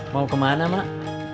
mau kemana mak